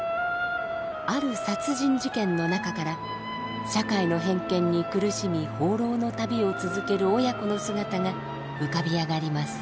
ある殺人事件の中から社会の偏見に苦しみ放浪の旅を続ける親子の姿が浮かび上がります。